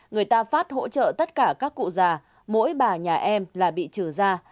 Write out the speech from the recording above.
người ta phát hỗ trợ tất cả các cụ già mỗi bà nhà em là bị trừ ra